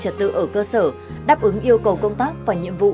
trật tự ở cơ sở đáp ứng yêu cầu công tác và nhiệm vụ